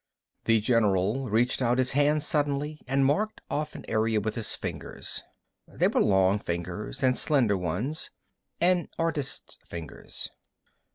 The general reached out his hand suddenly and marked off an area with his fingers. They were long fingers, and slender ones: an artist's fingers.